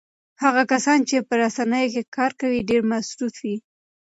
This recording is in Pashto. هغه کسان چې په رسنیو کې کار کوي ډېر مصروف وي.